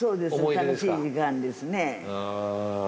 楽しい時間です